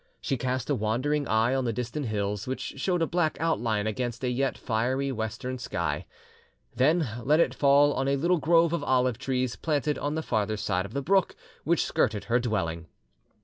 She cast a wandering eye on the distant hills, which showed a black outline against a yet fiery western sky, then let it fall on a little grove of olive trees planted on the farther side of the brook which skirted her dwelling.